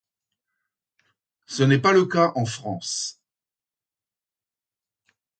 Ce n'est pas le cas en France.